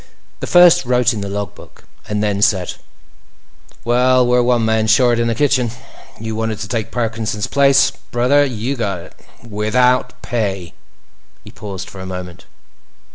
The First wrote in the log book, and then said: "Well, we're one man short in the kitchen. You wanted to take Parkinson's place; brother, you've got it—without pay." He paused for a moment.